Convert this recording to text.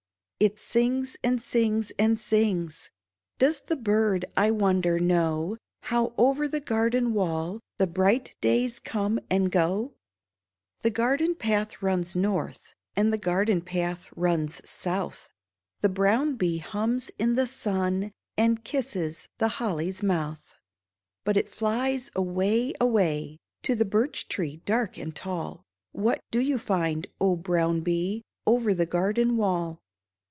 It sings and sings and sings ! Does the bird, I wonder, know How, over the garden wall. The bright days come and go ? 382 DISCONTENT The garden path runs north, And the garden path runs south ; The brown bee hums in the sun, And kisses the Hly's mouth ; But it flies away, away. To the birch tree, dark and tall. What do you find, O brown bee, Over the garden wall